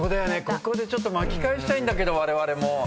ここでちょっと巻き返したいけどわれわれも。